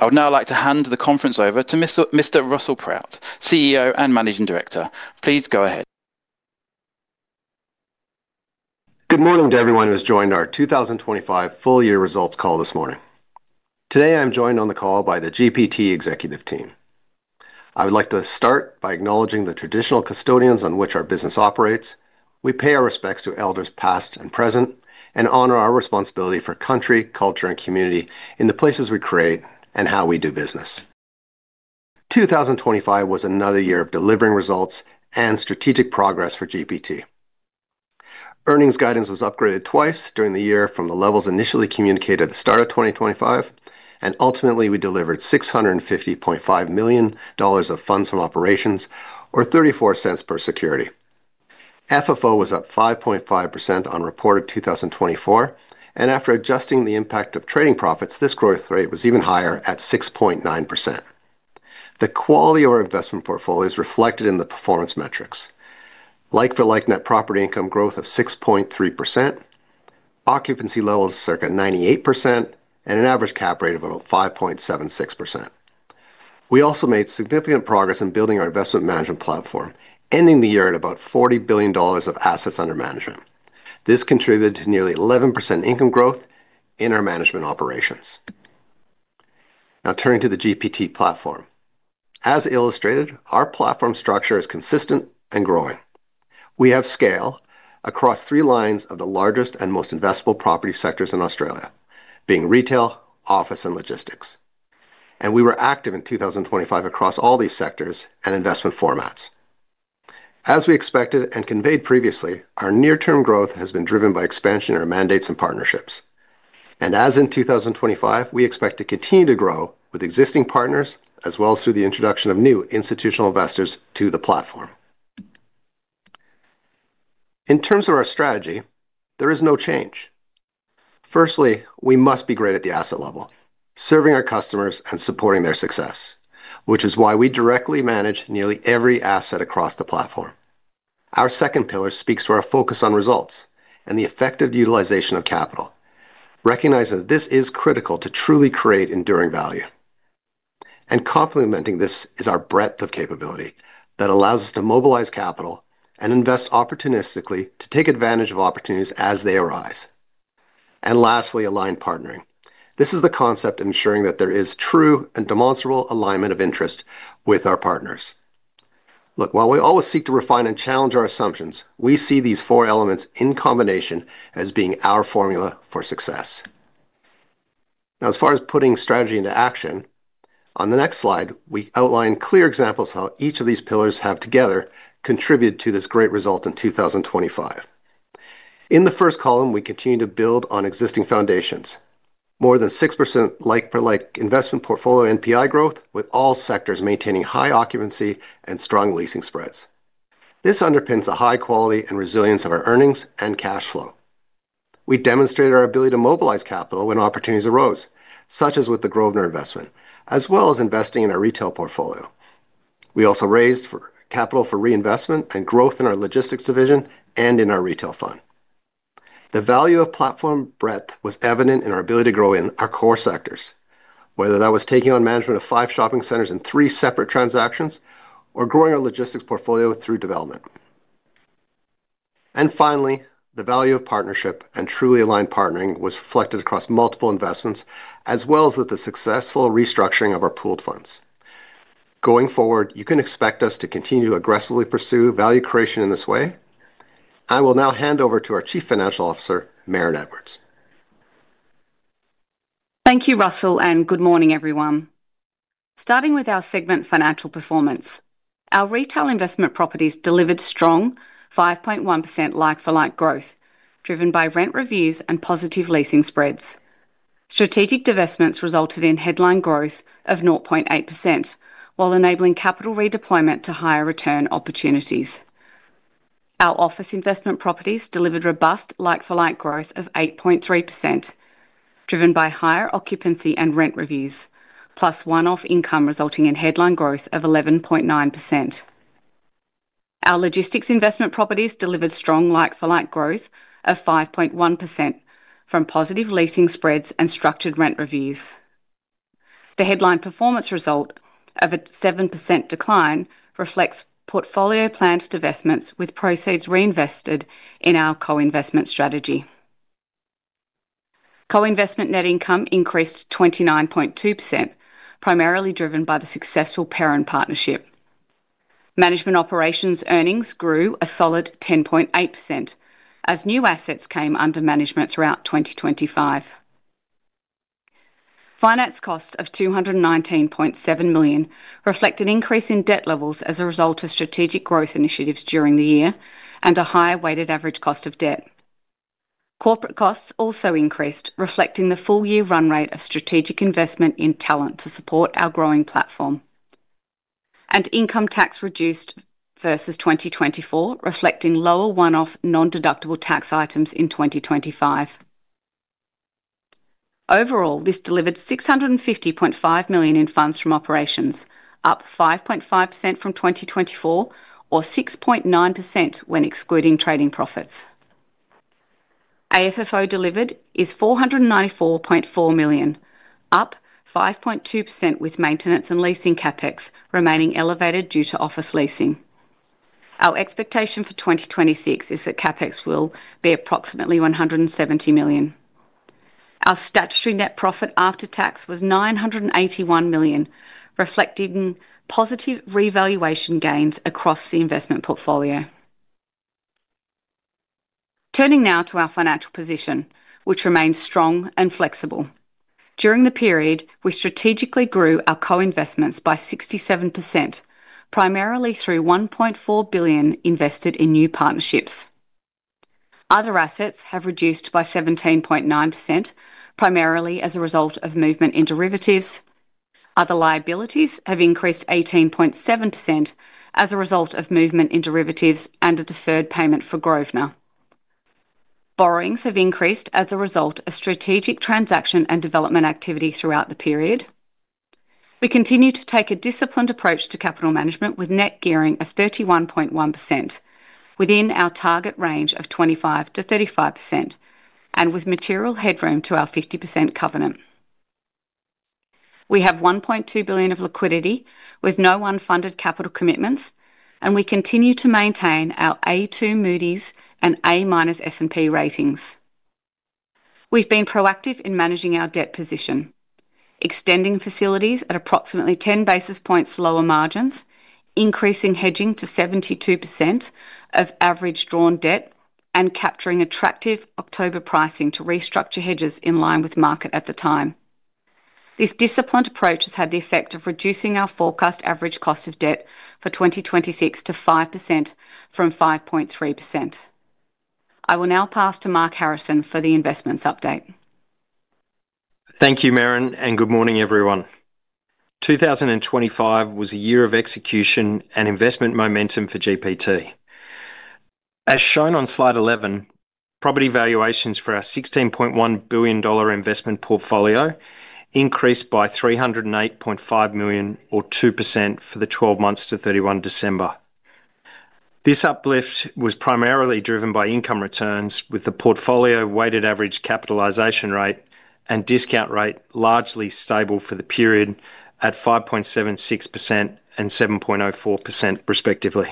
I would now like to hand the conference over to Mr. Russell Proutt, CEO and Managing Director. Please go ahead. Good morning to everyone who has joined our 2025 full year results call this morning. Today, I'm joined on the call by the GPT executive team. I would like to start by acknowledging the traditional custodians on which our business operates. We pay our respects to elders, past and present, and honor our responsibility for country, culture, and community in the places we create and how we do business. 2025 was another year of delivering results and strategic progress for GPT. Earnings guidance was upgraded twice during the year from the levels initially communicated at the start of 2025, and ultimately, we delivered 650.5 million dollars of funds from operations, or 0.34 per security. FFO was up 5.5% on reported 2024, and after adjusting the impact of trading profits, this growth rate was even higher at 6.9%. The quality of our investment portfolio is reflected in the performance metrics. Like-for-like net property income growth of 6.3%, occupancy levels circa 98%, and an average cap rate of about 5.76%. We also made significant progress in building our investment management platform, ending the year at about 40 billion dollars of assets under management. This contributed to nearly 11% income growth in our management operations. Now, turning to the GPT platform. As illustrated, our platform structure is consistent and growing. We have scale across three lines of the largest and most investable property sectors in Australia, being retail, office, and logistics. We were active in 2025 across all these sectors and investment formats. As we expected and conveyed previously, our near-term growth has been driven by expansion of our mandates and partnerships. And as in 2025, we expect to continue to grow with existing partners, as well as through the introduction of new institutional investors to the platform. In terms of our strategy, there is no change. Firstly, we must be great at the asset level, serving our customers and supporting their success, which is why we directly manage nearly every asset across the platform. Our second pillar speaks to our focus on results and the effective utilization of capital, recognizing that this is critical to truly create enduring value. And complementing this is our breadth of capability that allows us to mobilize capital and invest opportunistically to take advantage of opportunities as they arise. And lastly, aligned partnering. This is the concept of ensuring that there is true and demonstrable alignment of interest with our partners. Look, while we always seek to refine and challenge our assumptions, we see these four elements in combination as being our formula for success. Now, as far as putting strategy into action, on the next slide, we outline clear examples of how each of these pillars have together contributed to this great result in 2025. In the first column, we continue to build on existing foundations. More than 6% like-for-like investment portfolio NPI growth, with all sectors maintaining high occupancy and strong leasing spreads. This underpins the high quality and resilience of our earnings and cash flow. We demonstrated our ability to mobilize capital when opportunities arose, such as with the Grosvenor investment, as well as investing in our retail portfolio. We also raised capital for reinvestment and growth in our logistics division and in our retail fund. The value of platform breadth was evident in our ability to grow in our core sectors, whether that was taking on management of five shopping centers in three separate transactions, or growing our logistics portfolio through development. And finally, the value of partnership and truly aligned partnering was reflected across multiple investments, as well as with the successful restructuring of our pooled funds. Going forward, you can expect us to continue to aggressively pursue value creation in this way. I will now hand over to our Chief Financial Officer, Merran Edwards. Thank you, Russell, and good morning, everyone. Starting with our segment financial performance. Our retail investment properties delivered strong 5.1% like-for-like growth, driven by rent reviews and positive leasing spreads. Strategic divestments resulted in headline growth of 0.8%, while enabling capital redeployment to higher return opportunities. Our office investment properties delivered robust like-for-like growth of 8.3%, driven by higher occupancy and rent reviews, plus one-off income, resulting in headline growth of 11.9%. Our logistics investment properties delivered strong like-for-like growth of 5.1% from positive leasing spreads and structured rent reviews. The headline performance result of a 7% decline reflects portfolio planned divestments, with proceeds reinvested in our co-investment strategy. Co-investment net income increased 29.2%, primarily driven by the successful Perron partnership. Management operations earnings grew a solid 10.8% as new assets came under management throughout 2025. Finance costs of 219.7 million reflect an increase in debt levels as a result of strategic growth initiatives during the year and a higher weighted average cost of debt. Corporate costs also increased, reflecting the full-year run rate of strategic investment in talent to support our growing platform. Income tax reduced versus 2024, reflecting lower one-off non-deductible tax items in 2025. Overall, this delivered 650.5 million in funds from operations, up 5.5% from 2024, or 6.9% when excluding trading profits... AFFO delivered is 494.4 million, up 5.2% with maintenance and leasing CapEx remaining elevated due to office leasing. Our expectation for 2026 is that CapEx will be approximately AUD 170 million. Our statutory net profit after tax was AUD 981 million, reflecting positive revaluation gains across the investment portfolio. Turning now to our financial position, which remains strong and flexible. During the period, we strategically grew our co-investments by 67%, primarily through 1.4 billion invested in new partnerships. Other assets have reduced by 17.9%, primarily as a result of movement in derivatives. Other liabilities have increased 18.7% as a result of movement in derivatives and a deferred payment for Grosvenor. Borrowings have increased as a result of strategic transaction and development activity throughout the period. We continue to take a disciplined approach to capital management, with net gearing of 31.1% within our target range of 25%-35%, and with material headroom to our 50% covenant. We have 1.2 billion of liquidity, with no unfunded capital commitments, and we continue to maintain our A2 Moody's and A- S&P ratings. We've been proactive in managing our debt position, extending facilities at approximately 10 basis points lower margins, increasing hedging to 72% of average drawn debt, and capturing attractive October pricing to restructure hedges in line with market at the time. This disciplined approach has had the effect of reducing our forecast average cost of debt for 2026 to 5% from 5.3%. I will now pass to Mark Harrison for the investments update. Thank you, Merran, and good morning, everyone. 2025 was a year of execution and investment momentum for GPT. As shown on slide 11, property valuations for our 16.1 billion dollar investment portfolio increased by 308.5 million, or 2%, for the 12 months to 31 December. This uplift was primarily driven by income returns, with the portfolio weighted average capitalization rate and discount rate largely stable for the period, at 5.76% and 7.04% respectively.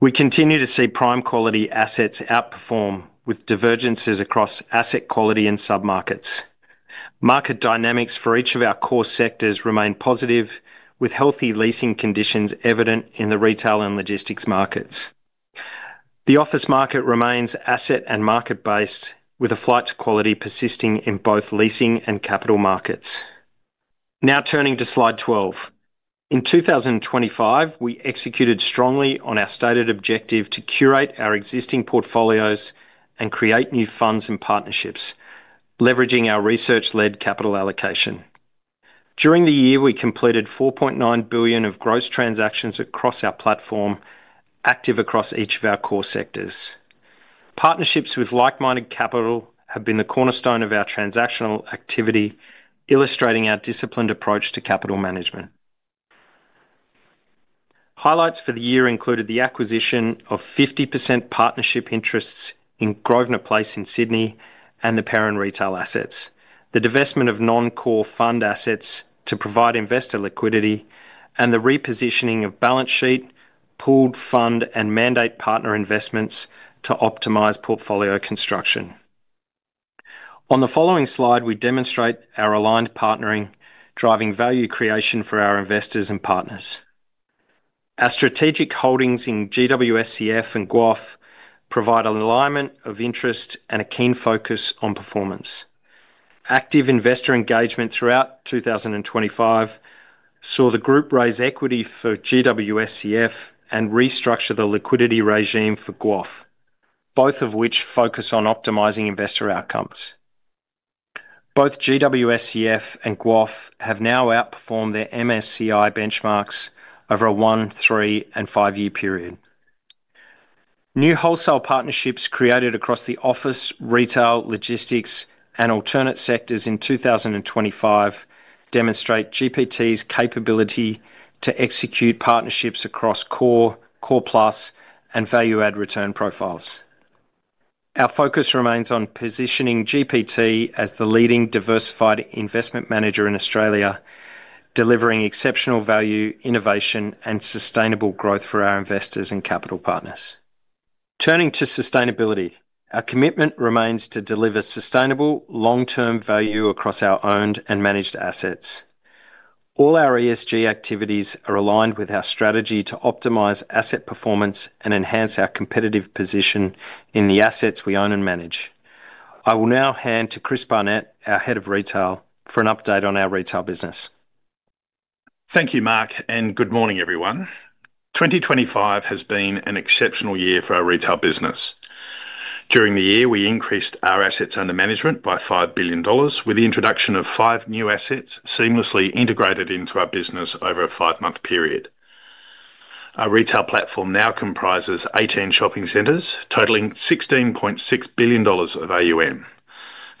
We continue to see prime quality assets outperform, with divergences across asset quality and submarkets. Market dynamics for each of our core sectors remain positive, with healthy leasing conditions evident in the retail and logistics markets. The office market remains asset and market-based, with a flight to quality persisting in both leasing and capital markets. Now turning to slide 12. In 2025, we executed strongly on our stated objective to curate our existing portfolios and create new funds and partnerships, leveraging our research-led capital allocation. During the year, we completed 4.9 billion of gross transactions across our platform, active across each of our core sectors. Partnerships with like-minded capital have been the cornerstone of our transactional activity, illustrating our disciplined approach to capital management. Highlights for the year included the acquisition of 50% partnership interests in Grosvenor Place in Sydney and the Perron Retail assets, the divestment of non-core fund assets to provide investor liquidity, and the repositioning of balance sheet, pooled fund, and mandate partner investments to optimize portfolio construction. On the following slide, we demonstrate our aligned partnering, driving value creation for our investors and partners. Our strategic holdings in GWSCF and GWOF provide an alignment of interest and a keen focus on performance. Active investor engagement throughout 2025 saw the group raise equity for GWSCF and restructure the liquidity regime for GWOF, both of which focus on optimizing investor outcomes. Both GWSCF and GWOF have now outperformed their MSCI benchmarks over a one, three, and five-year period. New wholesale partnerships created across the office, retail, logistics, and alternate sectors in 2025 demonstrate GPT's capability to execute partnerships across core, core plus, and value add return profiles. Our focus remains on positioning GPT as the leading diversified investment manager in Australia, delivering exceptional value, innovation, and sustainable growth for our investors and capital partners. Turning to sustainability, our commitment remains to deliver sustainable, long-term value across our owned and managed assets. All our ESG activities are aligned with our strategy to optimize asset performance and enhance our competitive position in the assets we own and manage. I will now hand to Chris Barnett, our Head of Retail, for an update on our retail business. Thank you, Mark, and good morning, everyone. 2025 has been an exceptional year for our retail business. During the year, we increased our assets under management by 5 billion dollars, with the introduction of 5 new assets seamlessly integrated into our business over a 5-month period. Our retail platform now comprises 18 shopping centers, totaling 16.6 billion dollars of AUM.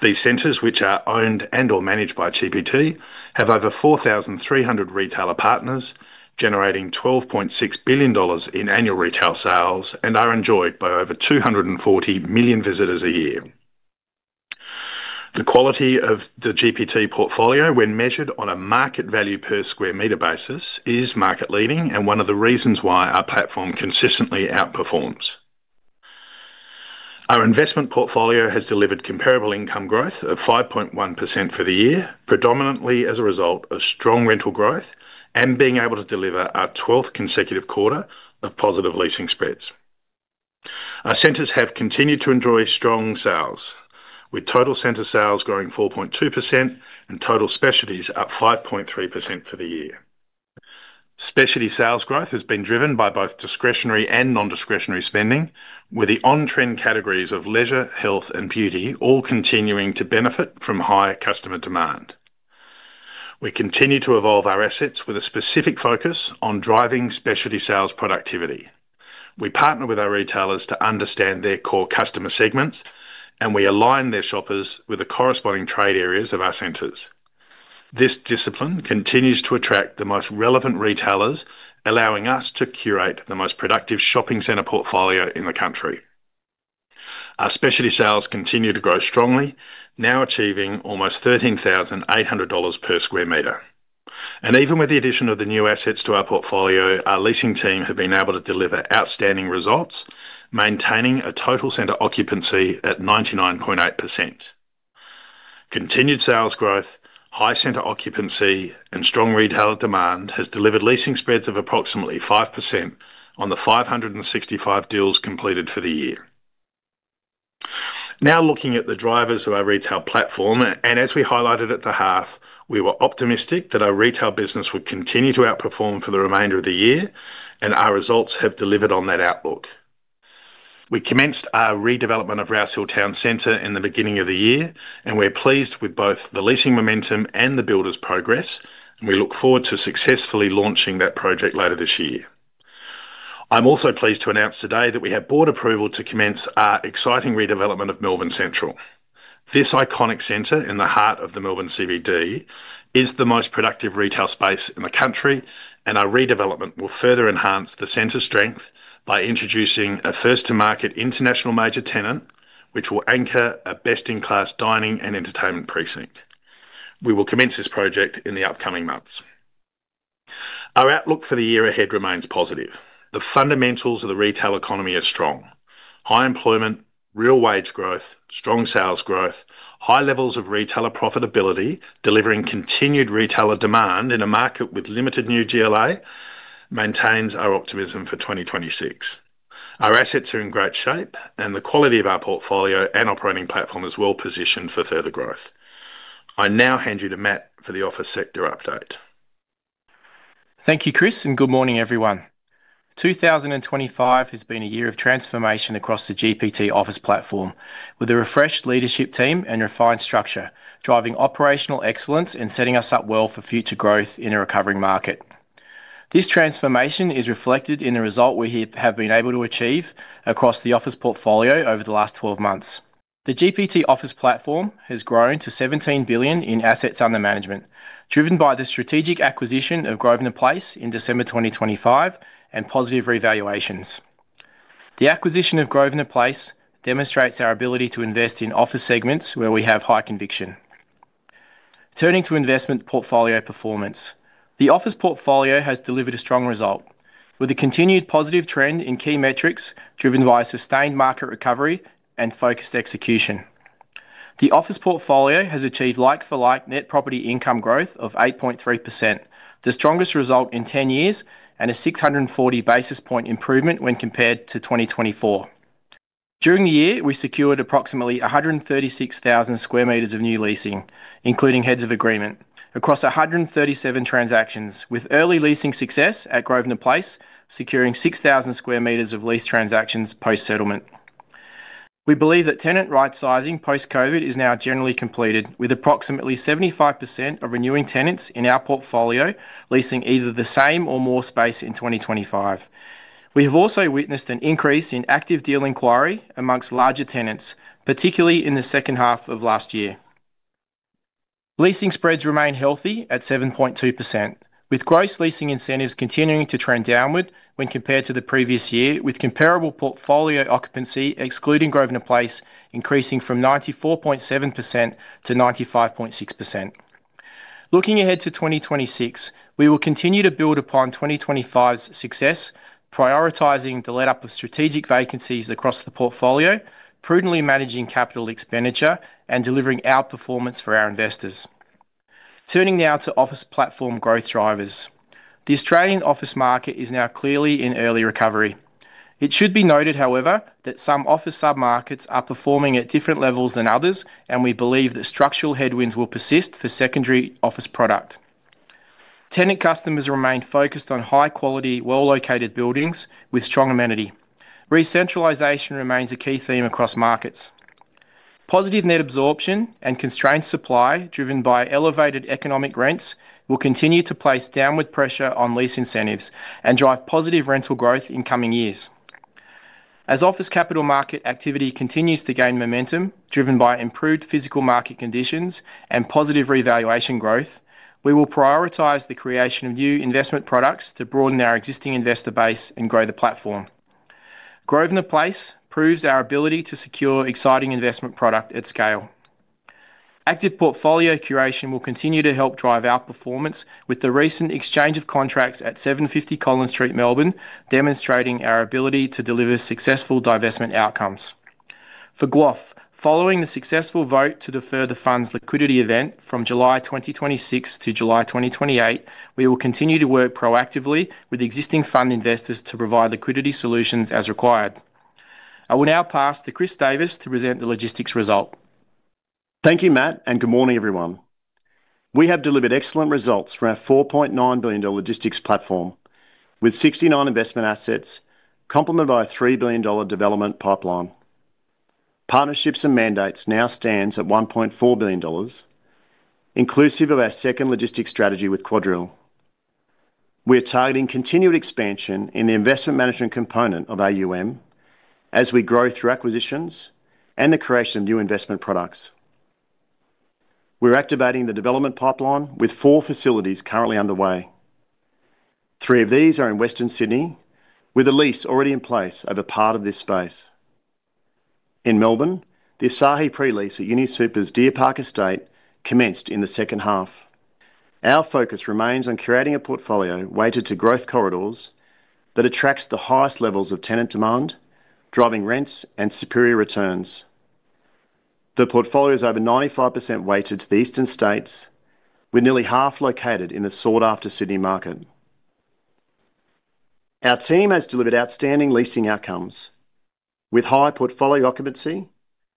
These centers, which are owned and or managed by GPT, have over 4,300 retailer partners generating 12.6 billion dollars in annual retail sales and are enjoyed by over 240 million visitors a year. The quality of the GPT portfolio, when measured on a market value per square meter basis, is market-leading, and one of the reasons why our platform consistently outperforms. Our investment portfolio has delivered comparable income growth of 5.1% for the year, predominantly as a result of strong rental growth and being able to deliver our 12th consecutive quarter of positive leasing spreads. Our centers have continued to enjoy strong sales, with total center sales growing 4.2% and total specialties up 5.3% for the year. Specialty sales growth has been driven by both discretionary and non-discretionary spending, with the on-trend categories of leisure, health, and beauty all continuing to benefit from high customer demand. We continue to evolve our assets with a specific focus on driving specialty sales productivity. We partner with our retailers to understand their core customer segments, and we align their shoppers with the corresponding trade areas of our centers. This discipline continues to attract the most relevant retailers, allowing us to curate the most productive shopping center portfolio in the country. Our specialty sales continue to grow strongly, now achieving almost 13,800 dollars per sq m. Even with the addition of the new assets to our portfolio, our leasing team have been able to deliver outstanding results, maintaining a total center occupancy at 99.8%. Continued sales growth, high center occupancy, and strong retail demand has delivered leasing spreads of approximately 5% on the 565 deals completed for the year. Now, looking at the drivers of our retail platform, and as we highlighted at the half, we were optimistic that our retail business would continue to outperform for the remainder of the year, and our results have delivered on that outlook. We commenced our redevelopment of Rouse Hill Town Centre in the beginning of the year, and we're pleased with both the leasing momentum and the builder's progress, and we look forward to successfully launching that project later this year. I'm also pleased to announce today that we have board approval to commence our exciting redevelopment of Melbourne Central. This iconic center in the heart of the Melbourne CBD is the most productive retail space in the country, and our redevelopment will further enhance the center's strength by introducing a first-to-market international major tenant, which will anchor a best-in-class dining and entertainment precinct. We will commence this project in the upcoming months. Our outlook for the year ahead remains positive. The fundamentals of the retail economy are strong. High employment, real wage growth, strong sales growth, high levels of retailer profitability, delivering continued retailer demand in a market with limited new GLA maintains our optimism for 2026. Our assets are in great shape, and the quality of our portfolio and operating platform is well positioned for further growth. I now hand you to Matt for the office sector update. Thank you, Chris, and good morning, everyone. 2025 has been a year of transformation across the GPT office platform, with a refreshed leadership team and refined structure, driving operational excellence and setting us up well for future growth in a recovering market. This transformation is reflected in the result we here have been able to achieve across the office portfolio over the last 12 months. The GPT office platform has grown to 17 billion in assets under management, driven by the strategic acquisition of Grosvenor Place in December 2025 and positive revaluations. The acquisition of Grosvenor Place demonstrates our ability to invest in office segments where we have high conviction. Turning to investment portfolio performance. The office portfolio has delivered a strong result, with a continued positive trend in key metrics driven by a sustained market recovery and focused execution. The Office Portfolio has achieved like-for-like net property income growth of 8.3%, the strongest result in 10 years, and a 640 basis point improvement when compared to 2024. During the year, we secured approximately 136,000 sq m of new leasing, including Heads of Agreement, across 137 transactions, with early leasing success at Grosvenor Place, securing 6,000 sq m of lease transactions post-settlement. We believe that tenant right-sizing post-COVID is now generally completed, with approximately 75% of renewing tenants in our portfolio leasing either the same or more space in 2025. We have also witnessed an increase in active deal inquiry amongst larger tenants, particularly in the second half of last year. Leasing spreads remain healthy at 7.2%, with gross leasing incentives continuing to trend downward when compared to the previous year, with comparable portfolio occupancy, excluding Grosvenor Place, increasing from 94.7%-95.6%. Looking ahead to 2026, we will continue to build upon 2025's success, prioritizing the let-up of strategic vacancies across the portfolio, prudently managing capital expenditure, and delivering outperformance for our investors. Turning now to office platform growth drivers. The Australian office market is now clearly in early recovery. It should be noted, however, that some office submarkets are performing at different levels than others, and we believe that structural headwinds will persist for secondary office product. Tenant customers remain focused on high-quality, well-located buildings with strong amenity. Recentralization remains a key theme across markets. Positive net absorption and constrained supply, driven by elevated economic rents, will continue to place downward pressure on lease incentives and drive positive rental growth in coming years. As office capital market activity continues to gain momentum, driven by improved physical market conditions and positive revaluation growth, we will prioritize the creation of new investment products to broaden our existing investor base and grow the platform. Grosvenor Place proves our ability to secure exciting investment product at scale. Active portfolio curation will continue to help drive our performance, with the recent exchange of contracts at 750 Collins Street, Melbourne, demonstrating our ability to deliver successful divestment outcomes. For GWOF, following the successful vote to defer the fund's liquidity event from July 2026 to July 2028, we will continue to work proactively with existing fund investors to provide liquidity solutions as required. I will now pass to Chris Davis to present the logistics result. Thank you, Matt, and good morning, everyone. We have delivered excellent results for our 4.9 billion dollar logistics platform, with 69 investment assets complemented by a 3 billion dollar development pipeline. Partnerships and mandates now stands at 1.4 billion dollars, inclusive of our second logistics strategy with QuadReal. We are targeting continued expansion in the investment management component of AUM as we grow through acquisitions and the creation of new investment products. We're activating the development pipeline, with four facilities currently underway. Three of these are in Western Sydney, with a lease already in place over part of this space. In Melbourne, the Asahi pre-lease at UniSuper's Deer Park Estate commenced in the second half. Our focus remains on curating a portfolio weighted to growth corridors that attracts the highest levels of tenant demand, driving rents and superior returns. The portfolio is over 95% weighted to the eastern states, with nearly half located in the sought-after Sydney market. Our team has delivered outstanding leasing outcomes, with high portfolio occupancy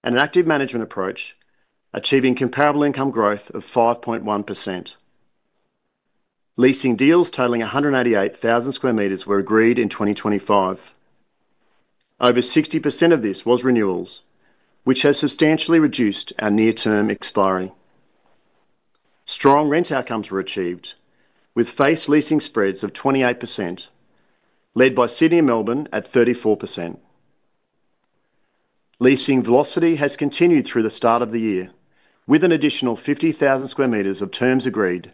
and an active management approach, achieving comparable income growth of 5.1%. Leasing deals totaling 188,000 sq m were agreed in 2025. Over 60% of this was renewals, which has substantially reduced our near-term expiry. Strong rent outcomes were achieved, with face leasing spreads of 28%, led by Sydney and Melbourne at 34%. Leasing velocity has continued through the start of the year, with an additional 50,000 sq m of terms agreed,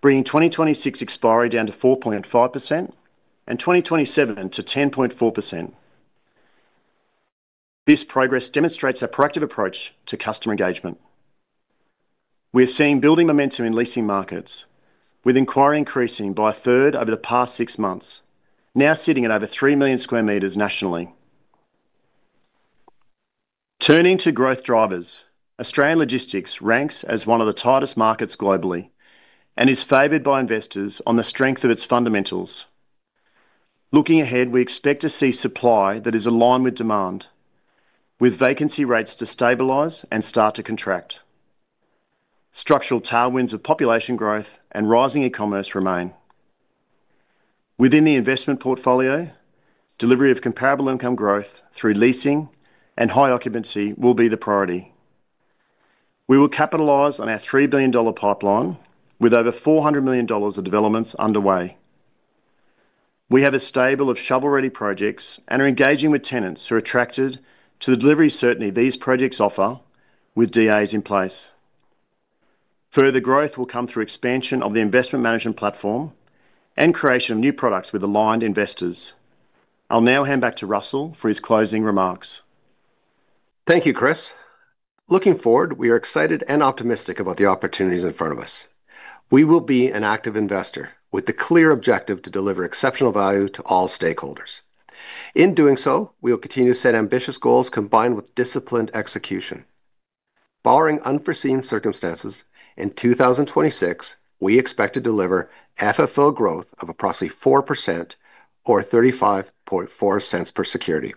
bringing 2026 expiry down to 4.5% and 2027 to 10.4%. This progress demonstrates our proactive approach to customer engagement. We're seeing building momentum in leasing markets, with inquiry increasing by a third over the past six months, now sitting at over three million square meters nationally. Turning to growth drivers, Australian Logistics ranks as one of the tightest markets globally and is favored by investors on the strength of its fundamentals. Looking ahead, we expect to see supply that is aligned with demand, with vacancy rates to stabilize and start to contract. Structural tailwinds of population growth and rising e-commerce remain. Within the investment portfolio, delivery of comparable income growth through leasing and high occupancy will be the priority. We will capitalize on our 3 billion dollar pipeline, with over 400 million dollars of developments underway. We have a stable of shovel-ready projects and are engaging with tenants who are attracted to the delivery certainty these projects offer with DAs in place. Further growth will come through expansion of the investment management platform and creation of new products with aligned investors. I'll now hand back to Russell for his closing remarks. Thank you, Chris. Looking forward, we are excited and optimistic about the opportunities in front of us. We will be an active investor with the clear objective to deliver exceptional value to all stakeholders. In doing so, we will continue to set ambitious goals combined with disciplined execution. Barring unforeseen circumstances, in 2026, we expect to deliver FFO growth of approximately 4% or 0.354 per security.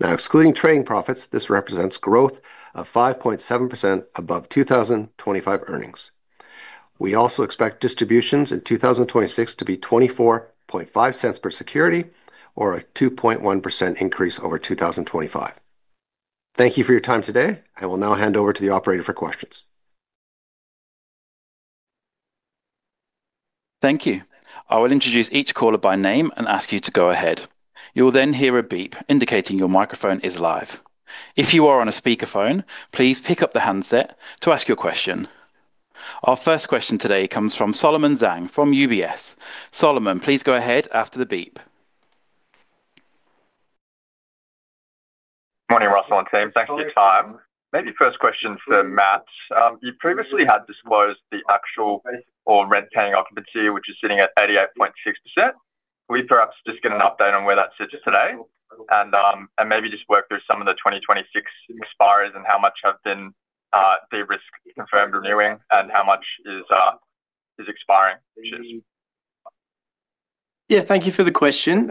Now, excluding trading profits, this represents growth of 5.7% above 2025 earnings. We also expect distributions in 2026 to be 0.245 per security or a 2.1% increase over 2025. Thank you for your time today. I will now hand over to the operator for questions. Thank you. I will introduce each caller by name and ask you to go ahead. You will then hear a beep indicating your microphone is live. If you are on a speakerphone, please pick up the handset to ask your question. Our first question today comes from Solomon Zhang from UBS. Solomon, please go ahead after the beep. Morning, Russell and team. Thanks for your time. Maybe first question for Matt. You previously had disclosed the actual or rent-paying occupancy, which is sitting at 88.6%. Will we perhaps just get an update on where that sits today? And maybe just work through some of the 2026 expiries and how much have been de-risked confirmed renewing and how much is expiring? Yeah, thank you for the question.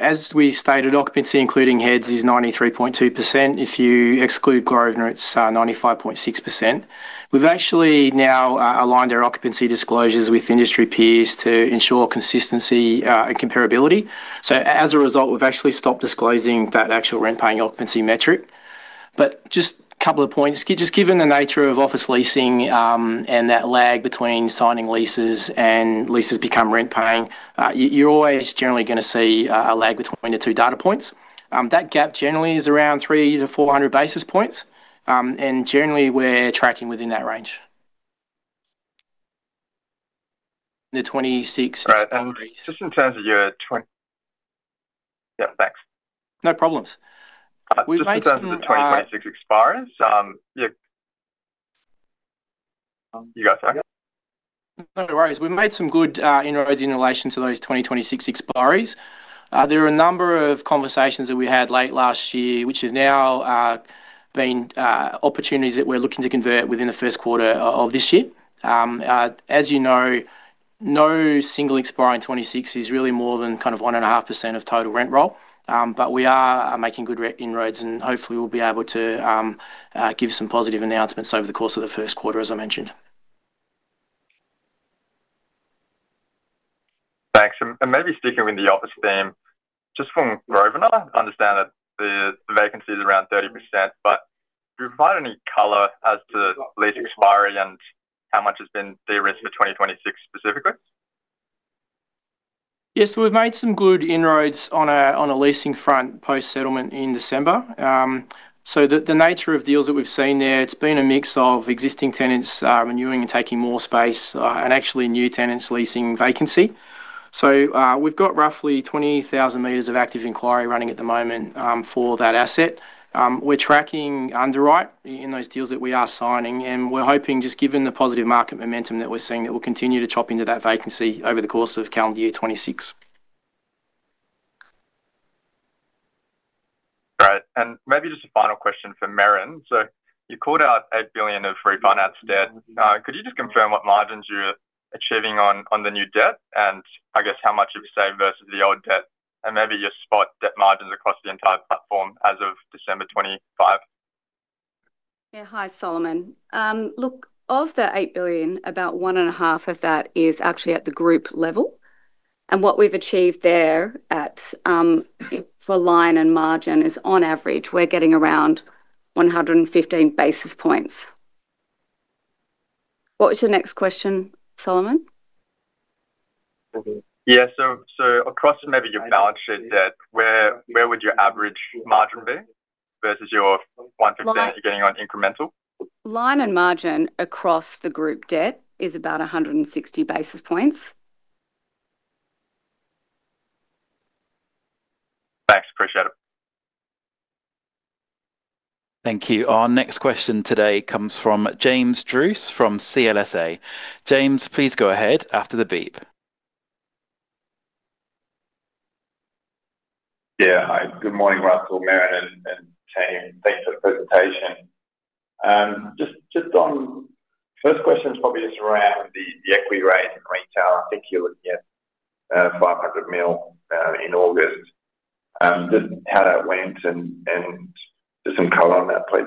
As we stated, occupancy, including heads, is 93.2%. If you exclude Grosvenor, it's 95.6%. We've actually now aligned our occupancy disclosures with industry peers to ensure consistency and comparability. So as a result, we've actually stopped disclosing that actual rent-paying occupancy metric. But just a couple of points. Just given the nature of office leasing and that lag between signing leases and leases become rent-paying, you're always generally gonna see a lag between the two data points. That gap generally is around 300-400 basis points, and generally, we're tracking within that range. The 2026 Great. Just in terms of your -- Yeah, thanks. No problems. We've made some- Just in terms of the 2026 expiries. You got, sorry. No worries. We've made some good inroads in relation to those 2026 expiries. There are a number of conversations that we had late last year, which has now been opportunities that we're looking to convert within the first quarter of this year. As you know, no single expiry in 2026 is really more than kind of 1.5% of total rent roll. But we are making good inroads, and hopefully, we'll be able to give some positive announcements over the course of the first quarter, as I mentioned. Thanks. And maybe sticking with the office theme, just from Grosvenor, I understand that the vacancy is around 30%, but can you provide any color as to lease expiry and how much has been de-risked for 2026 specifically? Yes, so we've made some good inroads on a leasing front, post-settlement in December. So the nature of deals that we've seen there, it's been a mix of existing tenants renewing and taking more space, and actually new tenants leasing vacancy. So we've got roughly 20,000 meters of active inquiry running at the moment, for that asset. We're tracking underwrite in those deals that we are signing, and we're hoping, just given the positive market momentum that we're seeing, that we'll continue to chop into that vacancy over the course of calendar year 2026. Great. And maybe just a final question for Merran. So you called out 8 billion of refinance debt. Could you just confirm what margins you're achieving on, on the new debt, and I guess how much you've saved versus the old debt, and maybe your spot debt margins across the entire platform as of December 2025? Yeah. Hi, Solomon. Look, of the 8 billion, about 1.5 billion of that is actually at the group level, and what we've achieved there at, for line and margin is, on average, we're getting around 115 basis points. What was your next question, Solomon? Yeah, so across maybe your balance sheet debt, where would your average margin be versus your 1% you're getting on incremental? Lending margin across the group debt is about 160 basis points. Thanks. Appreciate it. Thank you. Our next question today comes from James Druce from CLSA. James, please go ahead after the beep. Yeah. Hi, good morning, Russell, Merran, and team. Thanks for the presentation. Just on... First question is probably just around the equity raise in retail. I think you're looking at 500 million in August. Just how that went and just some color on that, please.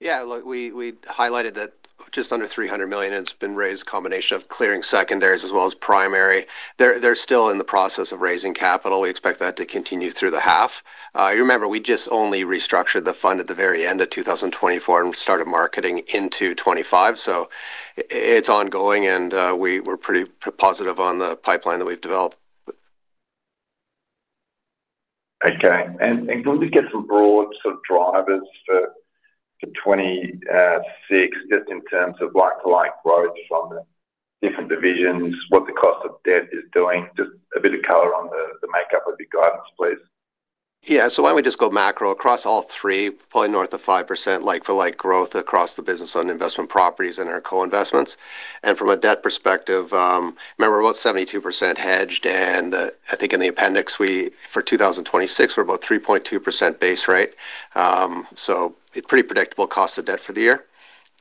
Yeah, look, we highlighted that just under 300 million has been raised, a combination of clearing secondaries as well as primary. They're still in the process of raising capital. We expect that to continue through the half. You remember, we just only restructured the fund at the very end of 2024 and started marketing into 2025, so it's ongoing, and, we're pretty positive on the pipeline that we've developed. Okay. And can we get some broad sort of drivers for 2026, just in terms of like-for-like growth from the different divisions, what the cost of debt is doing, just a bit of color on the makeup of your guidance, please. Yeah. So why don't we just go macro across all three, probably north of 5% like-for-like growth across the business on investment properties and our co-investments. From a debt perspective, remember, we're about 72% hedged, and I think in the appendix, we for 2026, we're about 3.2% base rate. So a pretty predictable cost of debt for the year.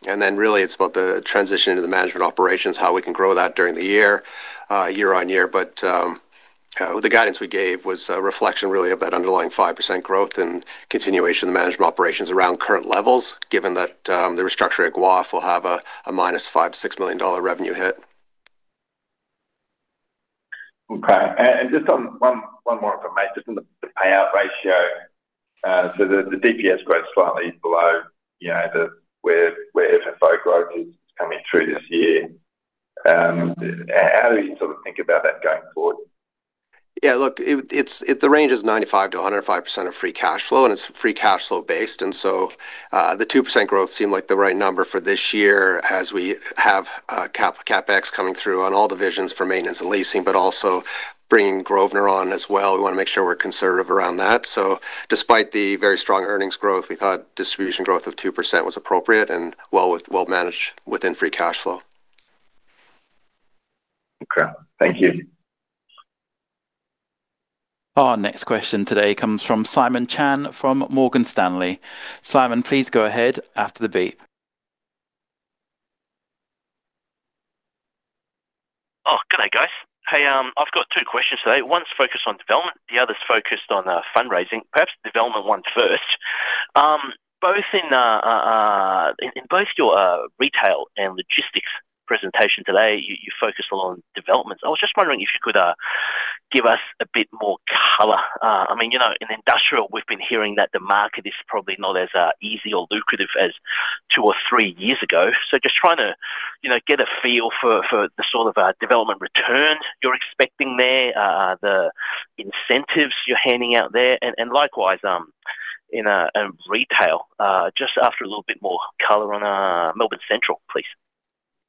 And then really, it's about the transition into the management operations, how we can grow that during the year, year-on-year. The guidance we gave was a reflection really of that underlying 5% growth and continuation of the management operations around current levels, given that the restructure at GWOF will have a -5 million-6 million dollar revenue hit. Okay. And just one more for me, just on the payout ratio. So the DPS growth is slightly below, you know, the where FFO growth is coming through this year. How do you sort of think about that going forward? Yeah, look, the range is 95%-105% of free cash flow, and it's free cash flow based, and so, the 2% growth seemed like the right number for this year as we have, CapEx coming through on all divisions for maintenance and leasing, but also bringing Grosvenor on as well. We want to make sure we're conservative around that. So despite the very strong earnings growth, we thought distribution growth of 2% was appropriate and well managed within free cash flow. Okay. Thank you. Our next question today comes from Simon Chan from Morgan Stanley. Simon, please go ahead after the beep. Oh, good day, guys. Hey, I've got two questions today. One's focused on development, the other's focused on fundraising. Perhaps the development one first. Both in your retail and logistics presentation today, you focused a lot on developments. I was just wondering if you could, give us a bit more color. I mean, you know, in industrial, we've been hearing that the market is probably not as easy or lucrative as two or three years ago. So just trying to, you know, get a feel for, for the sort of development returns you're expecting there, the incentives you're handing out there, and likewise in retail. Just after a little bit more color on Melbourne Central, please.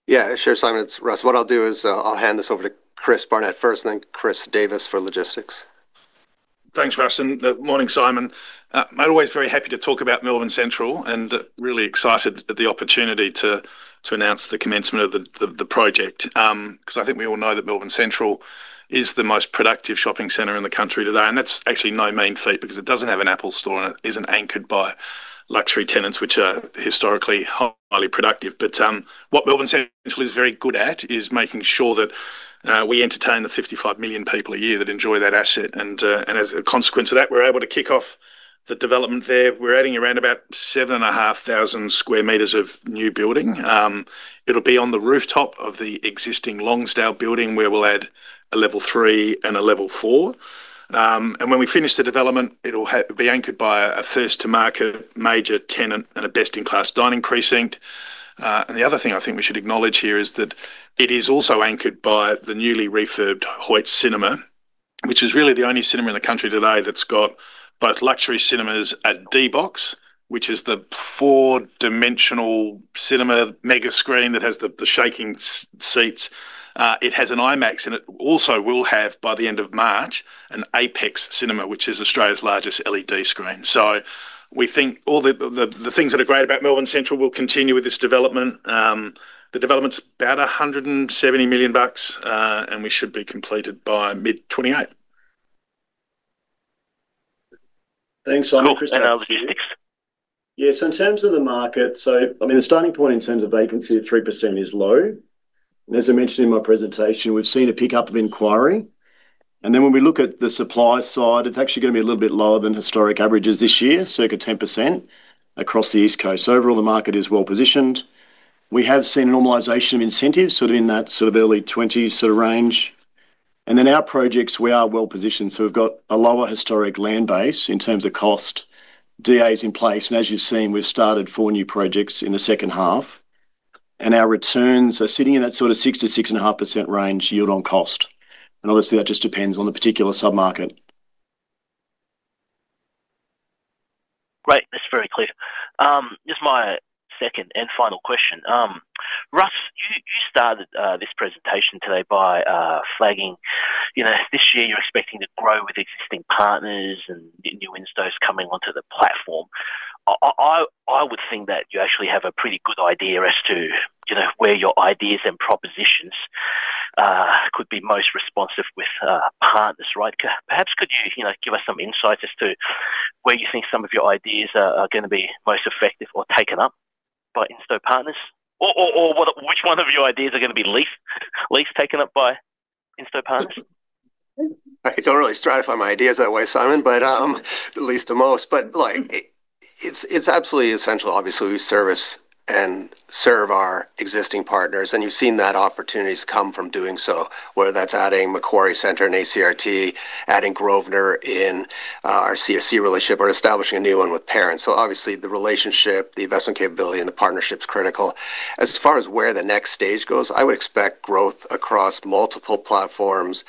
Yeah, sure, Simon, it's Russ. What I'll do is, I'll hand this over to Chris Barnett first, and then Chris Davis for logistics. Thanks, Russ, and morning, Simon. I'm always very happy to talk about Melbourne Central, and really excited at the opportunity to announce the commencement of the project. 'Cause I think we all know that Melbourne Central is the most productive shopping center in the country today, and that's actually no mean feat because it doesn't have an Apple store and it isn't anchored by luxury tenants, which are historically highly productive. But what Melbourne Central is very good at is making sure that we entertain the 55 million people a year that enjoy that asset. And as a consequence of that, we're able to kick off the development there. We're adding around about 7,500 sq m of new building. It'll be on the rooftop of the existing Lonsdale Building, where we'll add a level three and a level four. And when we finish the development, it'll be anchored by a first-to-market major tenant and a best-in-class dining precinct. And the other thing I think we should acknowledge here is that it is also anchored by the newly refurbed HOYTS Cinema, which is really the only cinema in the country today that's got both luxury cinemas at D-BOX, which is the four-dimensional cinema mega screen that has the shaking seats. It has an IMAX, and it also will have, by the end of March, an Onyx cinema, which is Australia's largest LED screen. So we think all the things that are great about Melbourne Central will continue with this development. The development's about 170 million bucks, and we should be completed by mid-2028. Thanks, Simon. Chris, you're next. Yeah, so in terms of the market, so, I mean, the starting point in terms of vacancy at 3% is low. And as I mentioned in my presentation, we've seen a pickup of inquiry, and then when we look at the supply side, it's actually gonna be a little bit lower than historic averages this year, circa 10% across the East Coast. So overall, the market is well positioned. We have seen a normalization of incentives, sort of in that sort of early 20s sort of range. And then our projects, we are well positioned, so we've got a lower historic land base in terms of cost, DA is in place, and as you've seen, we've started four new projects in the second half, and our returns are sitting in that sort of 6%-6.5% range yield on cost. Obviously, that just depends on the particular submarket. Great, that's very clear. Just my second and final question. Russ, you started this presentation today by flagging, you know, this year you're expecting to grow with existing partners and new instos coming onto the platform. I would think that you actually have a pretty good idea as to, you know, where your ideas and propositions could be most responsive with partners, right? Perhaps could you, you know, give us some insight as to where you think some of your ideas are gonna be most effective or taken up by instos partners? Or what, which one of your ideas are gonna be least taken up by instos partners? I don't really strive for my ideas that way, Simon, but least to most. But, like, it's absolutely essential. Obviously, we service and serve our existing partners, and you've seen that opportunities come from doing so, whether that's adding Macquarie Centre and ACRT, adding Grosvenor in our CSC relationship, or establishing a new one with Perron. So obviously, the relationship, the investment capability, and the partnership's critical. As far as where the next stage goes, I would expect growth across multiple platforms,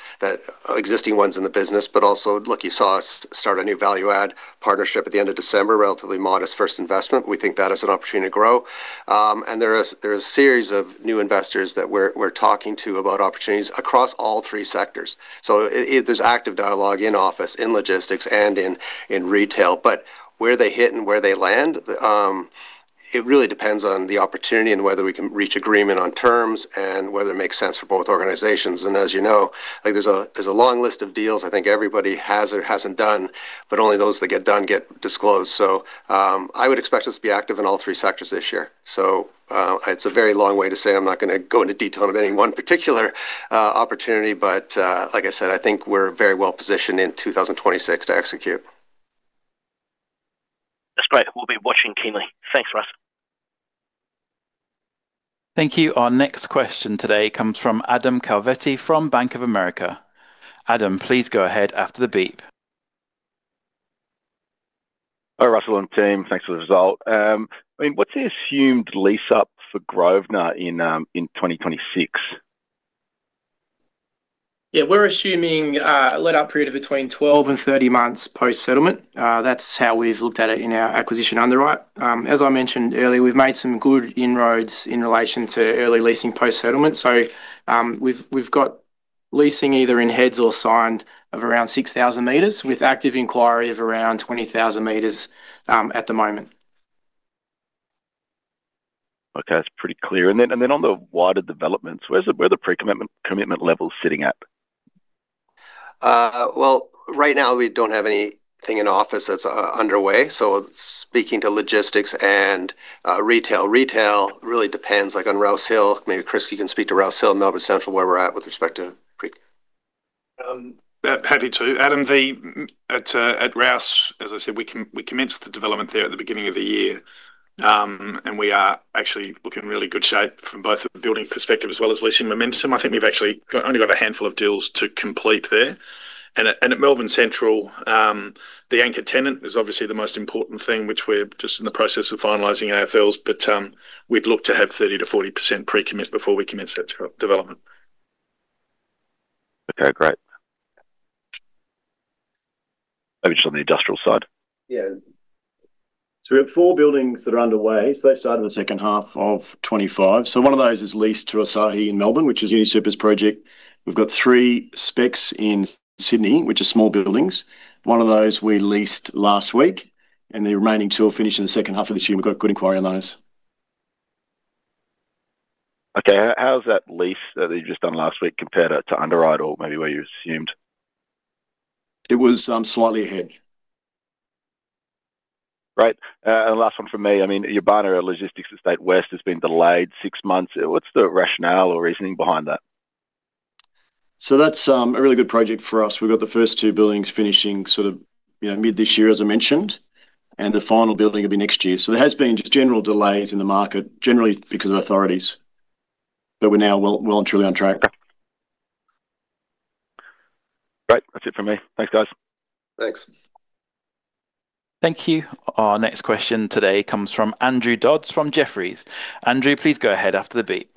existing ones in the business, but also, look, you saw us start a new value-add partnership at the end of December, relatively modest first investment. We think that is an opportunity to grow. And there is a series of new investors that we're talking to about opportunities across all three sectors. So there's active dialogue in office, in logistics, and in retail. But where they hit and where they land, it really depends on the opportunity and whether we can reach agreement on terms and whether it makes sense for both organizations. And as you know, like there's a long list of deals I think everybody has or hasn't done, but only those that get done get disclosed. So I would expect us to be active in all three sectors this year. So it's a very long way to say I'm not gonna go into detail of any one particular opportunity, but like I said, I think we're very well positioned in 2026 to execute. That's great. We'll be watching keenly. Thanks, Russ. Thank you. Our next question today comes from Adam Calvetti from Bank of America. Adam, please go ahead after the beep. Hi, Russell and team. Thanks for the result. I mean, what's the assumed lease-up for Grosvenor in 2026? Yeah, we're assuming a let-up period of between 12 and 30 months post-settlement. That's how we've looked at it in our acquisition underwrite. As I mentioned earlier, we've made some good inroads in relation to early leasing post-settlement. So, we've got leasing either in heads or signed of around 6,000 meters, with active inquiry of around 20,000 meters, at the moment. Okay, that's pretty clear. And then on the wider developments, where are the pre-commitment, commitment levels sitting at? Well, right now, we don't have anything in office that's underway, so speaking to logistics and retail. Retail really depends, like on Rouse Hill. Maybe, Chris, you can speak to Rouse Hill, Melbourne Central, where we're at with respect to pre-commitment. Happy to, Adam. At Rouse, as I said, we commenced the development there at the beginning of the year. And we are actually looking in really good shape from both the building perspective as well as leasing momentum. I think we've actually only got a handful of deals to complete there. And at Melbourne Central, the anchor tenant is obviously the most important thing, which we're just in the process of finalizing our deals, but we'd look to have 30%-40% pre-commit before we commence that development. Okay, great. Maybe just on the industrial side. Yeah. So we have four buildings that are underway, so they start in the second half of 2025. So one of those is leased to Asahi in Melbourne, which is UniSuper's project. We've got three specs in Sydney, which are small buildings. One of those we leased last week, and the remaining two are finished in the second half of this year. We've got good inquiry on those. Okay. How's that lease that you've just done last week compared to underwrite or maybe where you assumed? It was slightly ahead. Great. And last one from me, I mean, your Yiribana Logistics Estate West has been delayed six months. What's the rationale or reasoning behind that? So that's a really good project for us. We've got the first two buildings finishing sort of, you know, mid this year, as I mentioned, and the final building will be next year. So there has been just general delays in the market, generally because of authorities, but we're now well, well and truly on track. Great. That's it from me. Thanks, guys. Thanks. Thank you. Our next question today comes from Andrew Dodds, from Jefferies. Andrew, please go ahead after the beep.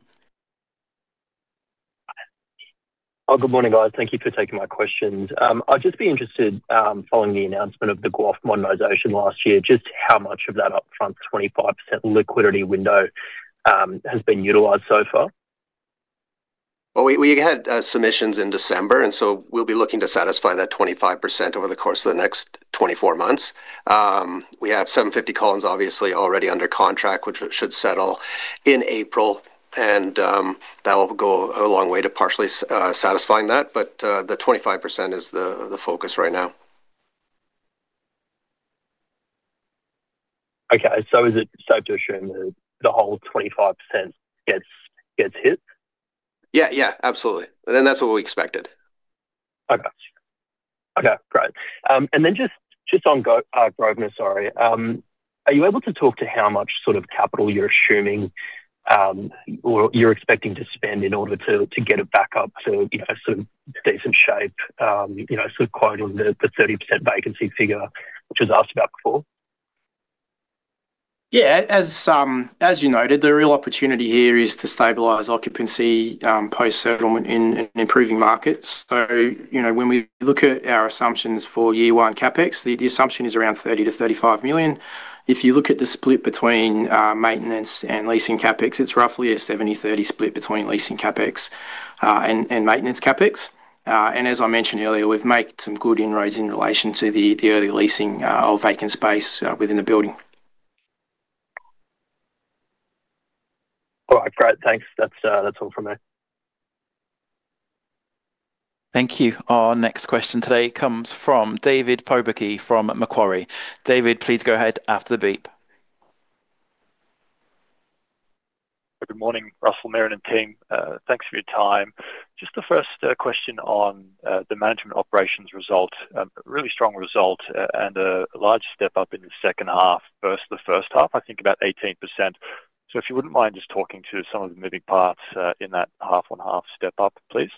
Oh, good morning, guys. Thank you for taking my questions. I'd just be interested, following the announcement of the GWOF monetization last year, just how much of that upfront 25% liquidity window has been utilized so far? Well, we had submissions in December, and so we'll be looking to satisfy that 25% over the course of the next 24 months. We have 750 Collins Street obviously already under contract, which should settle in April, and that'll go a long way to partially satisfying that. But the 25% is the focus right now. Okay. So is it safe to assume that the whole 25% gets hit? Yeah, yeah, absolutely. And then that's what we expected. Okay. Okay, great. And then just, just on Grosvenor, sorry. Are you able to talk to how much sort of capital you're assuming, or you're expecting to spend in order to, to get it back up to, you know, sort of decent shape, you know, sort of quoting the 30% vacancy figure, which was asked about before? Yeah, as you noted, the real opportunity here is to stabilize occupancy post-settlement in improving markets. So, you know, when we look at our assumptions for year one CapEx, the assumption is around 30 million-35 million. If you look at the split between maintenance and leasing CapEx, it's roughly a 70-30 split between leasing CapEx and maintenance CapEx. And as I mentioned earlier, we've made some good inroads in relation to the early leasing of vacant space within the building. All right, great. Thanks. That's, that's all from me. Thank you. Our next question today comes from David Pobucky, from Macquarie. David, please go ahead after the beep. Good morning, Russell, Merran, and team. Thanks for your time. Just the first question on the management operations result. Really strong result, and a large step up in the second half versus the first half, I think about 18%. So if you wouldn't mind just talking to some of the moving parts in that half-on-half step up, please.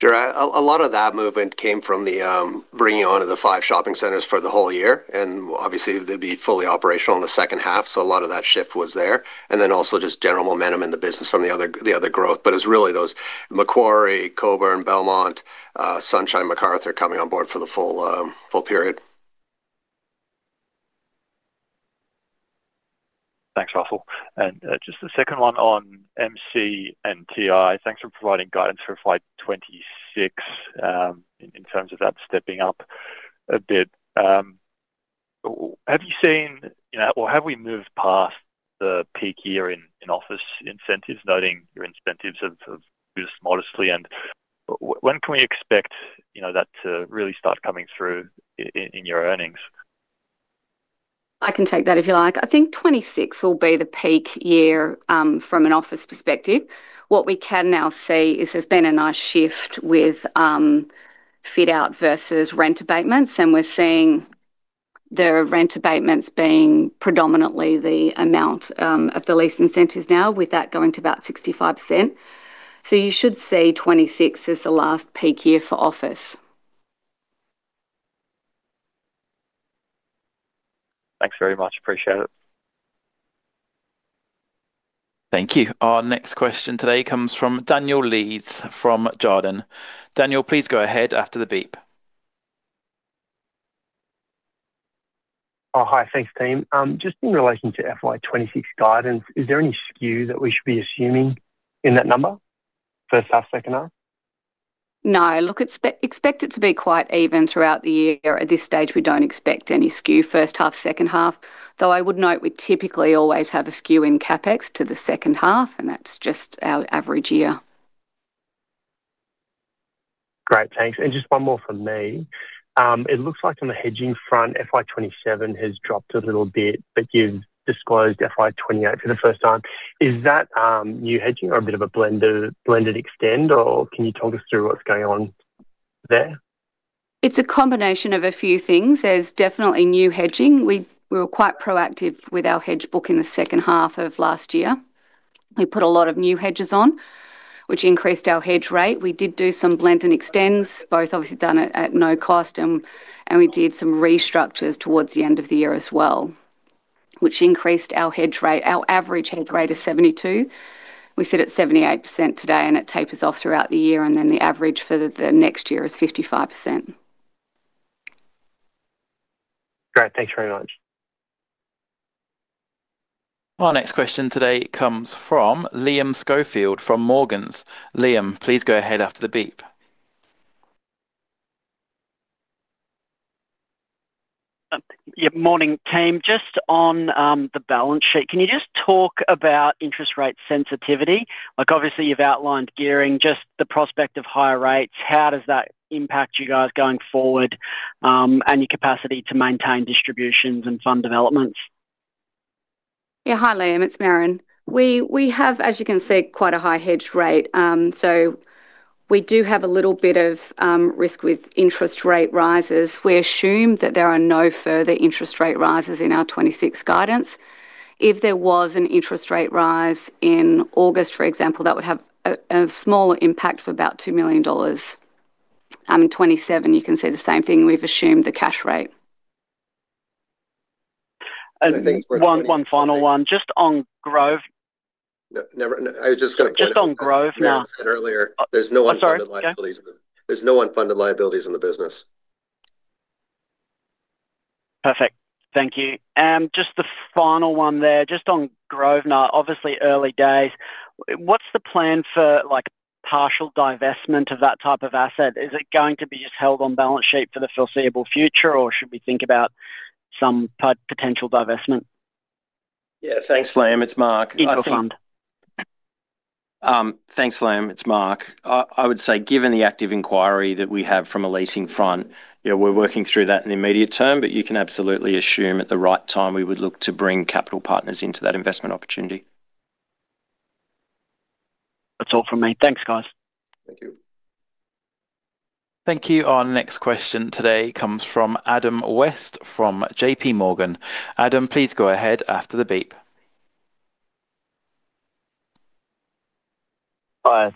Sure. A lot of that movement came from the bringing on of the five shopping centers for the whole year, and obviously, they'd be fully operational in the second half, so a lot of that shift was there. And then also just general momentum in the business from the other, the other growth. But it's really those Macquarie, Cockburn, Belmont, Sunshine, Macarthur coming on board for the full, full period. Thanks, Russell. And just the second one on MC and TI. Thanks for providing guidance for FY 2026, in terms of that stepping up a bit. Have you seen, you know, or have we moved past the peak year in office incentives, noting your incentives have, have boosted modestly? And when can we expect, you know, that to really start coming through in your earnings? I can take that if you like. I think 2026 will be the peak year, from an office perspective. What we can now see is there's been a nice shift with, fit out versus rent abatements, and we're seeing the rent abatements being predominantly the amount, of the lease incentives now, with that going to about 65%. So you should see 2026 as the last peak year for office. Thanks very much. Appreciate it. Thank you. Our next question today comes from Daniel Lees from Jarden. Daniel, please go ahead after the beep. Oh, hi. Thanks, team. Just in relation to FY 2026 guidance, is there any skew that we should be assuming in that number, first half, second half? No. Look, expect it to be quite even throughout the year. At this stage, we don't expect any skew first half, second half, though I would note we typically always have a skew in CapEx to the second half, and that's just our average year. Great, thanks. And just one more from me. It looks like on the hedging front, FY 2027 has dropped a little bit, but you've disclosed FY 2028 for the first time. Is that new hedging or a bit of a blender, blended extend, or can you talk us through what's going on there? It's a combination of a few things. There's definitely new hedging. We were quite proactive with our hedge book in the second half of last year. We put a lot of new hedges on, which increased our hedge rate. We did do some blend and extends, both obviously done at no cost, and we did some restructures towards the end of the year as well, which increased our hedge rate. Our average hedge rate is 72%. We sit at 78% today, and it tapers off throughout the year, and then the average for the next year is 55%. Great, thanks very much. Our next question today comes from Liam Schofield from Morgans. Liam, please go ahead after the beep. Yeah, morning, team. Just on the balance sheet, can you just talk about interest rate sensitivity? Like, obviously, you've outlined gearing, just the prospect of higher rates, how does that impact you guys going forward, and your capacity to maintain distributions and fund developments? Yeah. Hi, Liam, it's Merran. We have, as you can see, quite a high hedged rate. So we do have a little bit of risk with interest rate rises. We assume that there are no further interest rate rises in our 2026 guidance. If there was an interest rate rise in August, for example, that would have a small impact of about 2 million dollars. In 2027, you can see the same thing. We've assumed the cash rate. And- I think- One final one, just on Grosvenor. Never... I was just gonna- Just on Grosvenor now. Earlier. Oh, sorry. There's no unfunded liabilities. There's no unfunded liabilities in the business. Perfect. Thank you. Just the final one there, just on Grosvenor, obviously, early days, what's the plan for, like, partial divestment of that type of asset? Is it going to be just held on balance sheet for the foreseeable future, or should we think about some potential divestment? Yeah. Thanks, Liam. It's Mark. In the fund. Thanks, Liam. It's Mark. I would say, given the active inquiry that we have from a leasing front, yeah, we're working through that in the immediate term, but you can absolutely assume at the right time, we would look to bring capital partners into that investment opportunity. That's all from me. Thanks, guys. Thank you. Thank you. Our next question today comes from Adam West, from JPMorgan. Adam, please go ahead after the beep.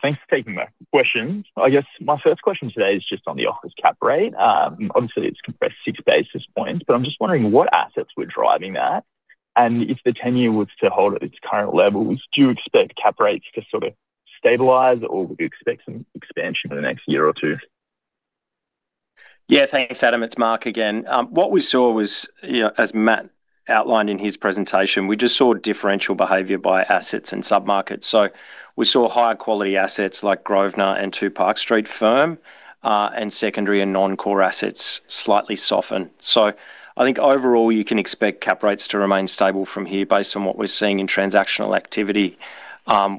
Thanks for taking my questions. I guess my first question today is just on the office cap rate. Obviously, it's compressed six basis points, but I'm just wondering what assets were driving that, and if the 10-year was to hold at its current levels, do you expect cap rates to sort of stabilize, or would you expect some expansion for the next year or two? Yeah, thanks, Adam. It's Mark again. What we saw was, you know, as Matt outlined in his presentation, we just saw differential behavior by assets and submarkets. So we saw higher quality assets like Grosvenor and Two Park Street hold firm, and secondary and non-core assets slightly soften. So I think overall, you can expect cap rates to remain stable from here based on what we're seeing in transactional activity,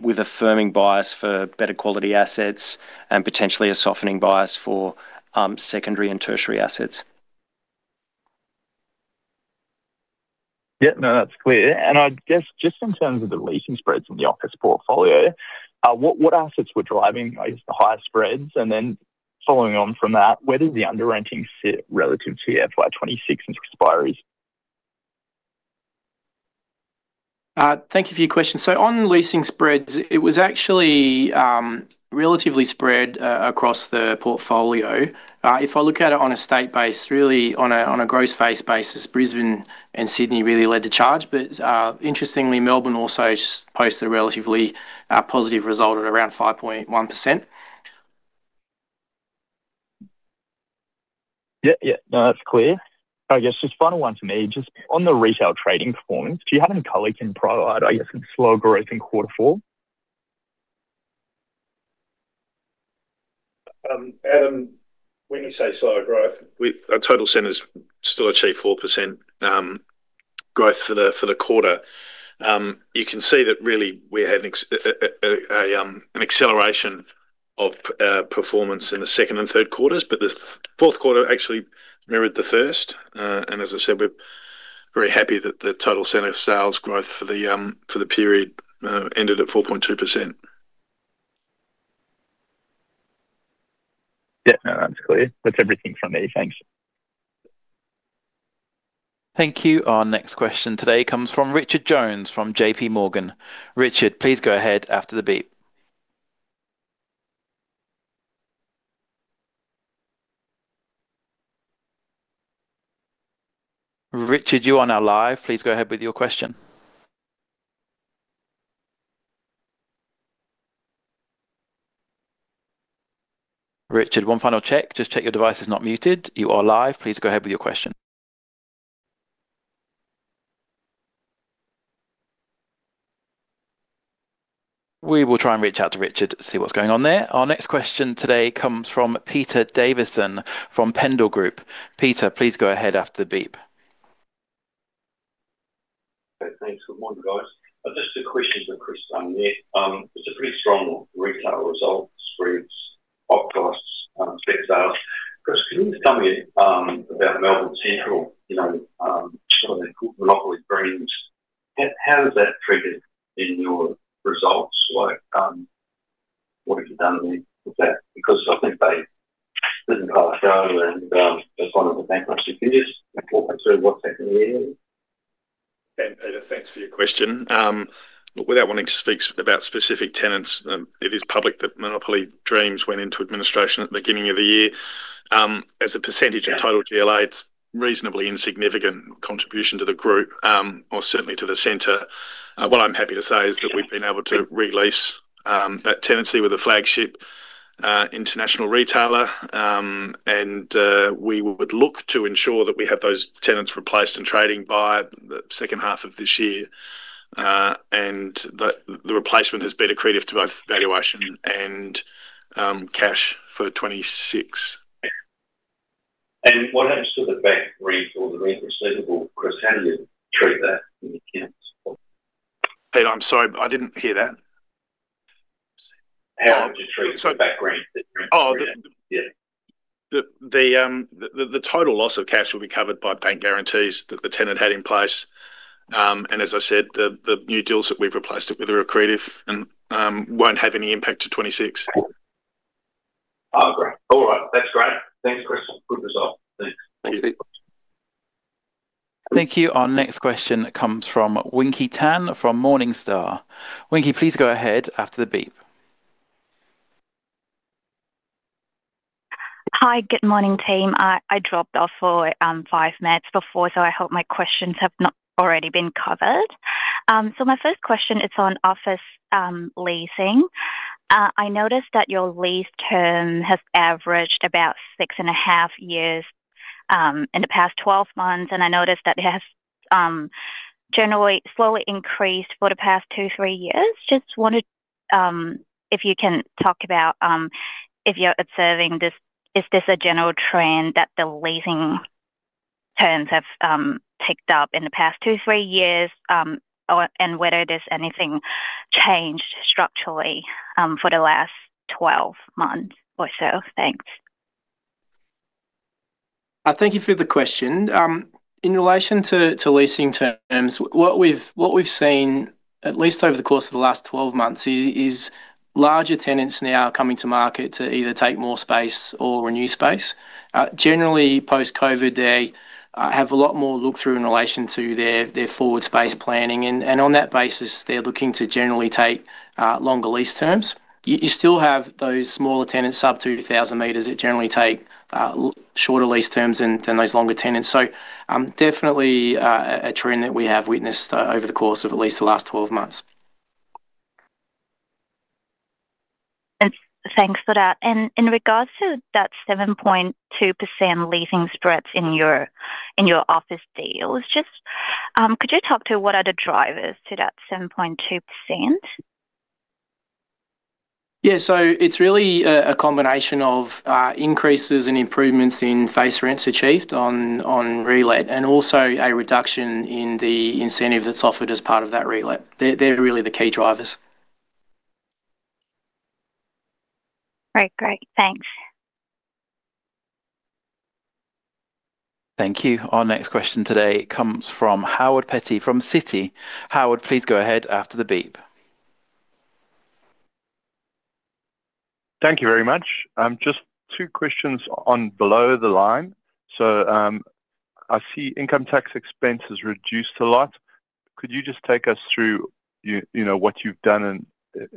with affirming bias for better quality assets and potentially a softening bias for secondary and tertiary assets. Yeah. No, that's clear. And I guess, just in terms of the leasing spreads in the Office Portfolio, what assets were driving, I guess, the higher spreads? And then following on from that, where does the underrenting sit relative to the FY 2026 expiries? Thank you for your question. So on leasing spreads, it was actually relatively spread across the portfolio. If I look at it on a state basis, really on a gross face basis, Brisbane and Sydney really led the charge. But interestingly, Melbourne also posted a relatively positive result at around 5.1%. Yeah, yeah. No, that's clear. I guess just final one to me, just on the retail trading performance, do you have any color you can provide, I guess, in slow growth in quarter four? Adam, when you say slow growth, our total centers still achieved 4% growth for the quarter. You can see that really we're having an acceleration of performance in the second and third quarters, but the fourth quarter actually mirrored the first. And as I said, we're very happy that the total center sales growth for the period ended at 4.2%. Yeah. No, that's clear. That's everything from me. Thanks. Thank you. Our next question today comes from Richard Jones, from JPMorgan. Richard, please go ahead after the beep. Richard, you are now live. Please go ahead with your question. Richard, one final check. Just check your device is not muted. You are live. Please go ahead with your question. We will try and reach out to Richard to see what's going on there. Our next question today comes from Pete Davidson, from Pendal Group. Peter, please go ahead after the beep. Good morning, guys. Just a quick question for Chris, yeah. It's a pretty strong retail results for its op costs, spec sales. Chris, can you just tell me about Melbourne Central, you know, sort of the Monopoly Dreams. How does that trigger in your results? Like, what have you done with that? Because I think they didn't quite go, and as one of the bankruptcy, can you just walk me through what's happening there? And Pete, thanks for your question. Without wanting to speak about specific tenants, it is public that Monopoly Dreams went into administration at the beginning of the year. As a percentage of total GLA, it's reasonably insignificant contribution to the group, or certainly to the center. What I'm happy to say is that we've been able to re-lease that tenancy with a flagship international retailer. And we would look to ensure that we have those tenants replaced and trading by the second half of this year. And the replacement has been accretive to both valuation and cash for 2026. What happens to the back rent or the rent receivable, Chris, how do you treat that in the accounts? Pete, I'm sorry, I didn't hear that. How would you treat the back rent? Oh, the- Yeah. The total loss of cash will be covered by bank guarantees that the tenant had in place. And as I said, the new deals that we've replaced it with are accretive and won't have any impact to 2026. Oh, great. All right. That's great. Thanks, Chris. Good result. Thanks. Thank you. Thank you. Our next question comes from Winky Tan, from Morningstar. Winky, please go ahead after the beep. Hi, good morning, team. I dropped off for five minutes before, so I hope my questions have not already been covered. So my first question is on office leasing. I noticed that your lease term has averaged about six and half years in the past 12 months, and I noticed that it has generally slowly increased for the past two, three years. Just wanted if you can talk about if you're observing this—is this a general trend that the leasing terms have ticked up in the past two, three years? Or, and whether there's anything changed structurally for the last 12 months or so. Thanks. Thank you for the question. In relation to leasing terms, what we've seen, at least over the course of the last 12 months, is larger tenants now coming to market to either take more space or renew space. Generally, post-COVID, they have a lot more look-through in relation to their forward space planning, and on that basis, they're looking to generally take longer lease terms. You still have those smaller tenants, sub 2,000 meters, that generally take shorter lease terms than those longer tenants. So, definitely, a trend that we have witnessed over the course of at least the last 12 months. Thanks for that. In regards to that 7.2% leasing spreads in your, in your office deals, just, could you talk to what are the drivers to that 7.2%? Yeah, so it's really a combination of increases and improvements in face rents achieved on relet, and also a reduction in the incentive that's offered as part of that relet. They're really the key drivers. Great. Great. Thanks. Thank you. Our next question today comes from Howard Penny from Citi. Howard, please go ahead after the beep. Thank you very much. Just two questions on below the line. So, I see income tax expense has reduced a lot. Could you just take us through, you know, what you've done and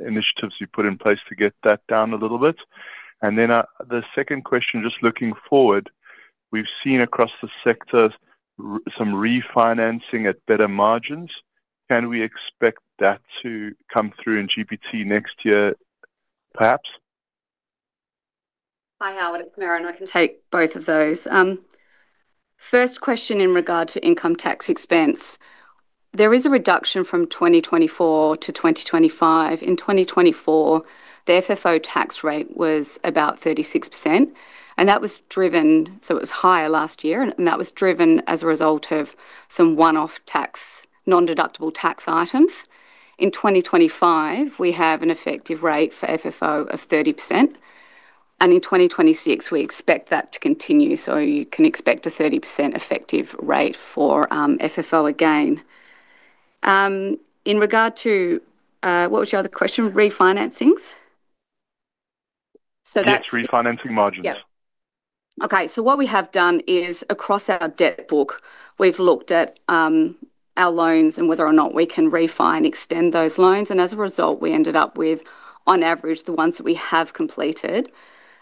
initiatives you've put in place to get that down a little bit? And then, the second question, just looking forward, we've seen across the sectors some refinancing at better margins. Can we expect that to come through in GPT next year, perhaps? Hi, Howard, it's Merran. I can take both of those. First question in regard to income tax expense. There is a reduction from 2024 to 2025. In 2024, the FFO tax rate was about 36%, and that was driven... So it was higher last year, and that was driven as a result of some one-off tax, non-deductible tax items. In 2025, we have an effective rate for FFO of 30%, and in 2026, we expect that to continue, so you can expect a 30% effective rate for FFO again. In regard to what was your other question? Refinancings? So that's- Yes, refinancing margins. Yep. Okay, so what we have done is, across our debt book, we've looked at, our loans and whether or not we can refi and extend those loans, and as a result, we ended up with, on average, the ones that we have completed,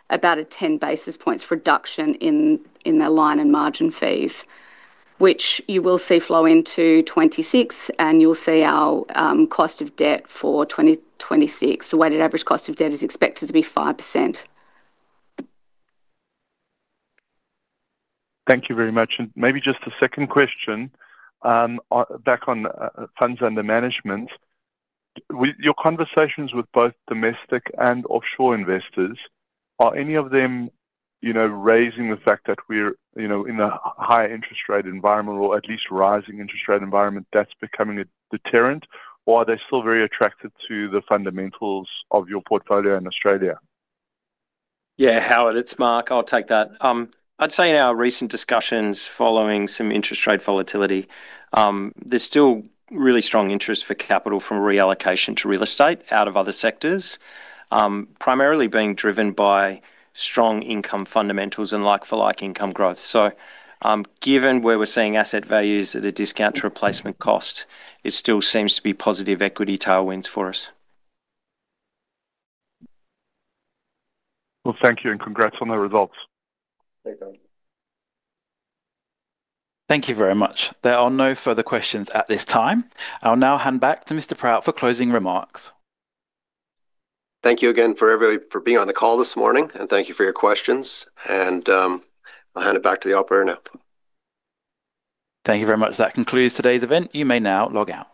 about a 10 basis points reduction in their line and margin fees, which you will see flow into 2026, and you'll see our cost of debt for 2026. The weighted average cost of debt is expected to be 5%. Thank you very much. And maybe just a second question, back on funds under management. With your conversations with both domestic and offshore investors, are any of them, you know, raising the fact that we're, you know, in a higher interest rate environment or at least rising interest rate environment, that's becoming a deterrent, or are they still very attracted to the fundamentals of your portfolio in Australia? Yeah, Howard, it's Mark. I'll take that. I'd say in our recent discussions, following some interest rate volatility, there's still really strong interest for capital from reallocation to real estate out of other sectors, primarily being driven by strong income fundamentals and like-for-like income growth. So, given where we're seeing asset values at a discount to replacement cost, it still seems to be positive equity tailwinds for us. Well, thank you, and congrats on the results. Thanks, Howard. Thank you very much. There are no further questions at this time. I'll now hand back to Mr. Proutt for closing remarks. Thank you again for everybody for being on the call this morning, and thank you for your questions. And, I'll hand it back to the operator now. Thank you very much. That concludes today's event. You may now log out.